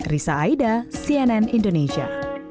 risa aida cnn indonesia